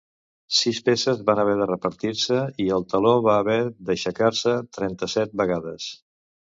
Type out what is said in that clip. Sis peces van haver de repetir-se i el teló va haver d'aixecar-se trenta-set vegades.